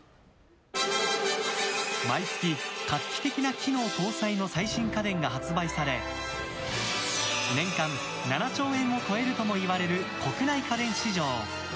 毎月、画期的な機能搭載の最新家電が発売され年間７兆円を超えるともいわれる国内家電市場。